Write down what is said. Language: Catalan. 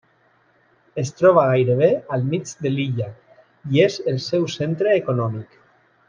Es troba gairebé al mig de l'illa i és el seu centre econòmic.